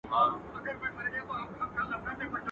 جنازې دي د بګړیو هدیرې دي چي ډکیږي.